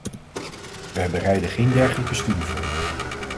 Wij bereiden geen dergelijke studie voor.